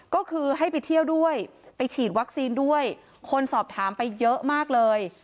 ก็คือให้ไปเที่ยวด้วยไปฉีดวัคซีนด้วยคนสอบถามไปเยอะมากเลย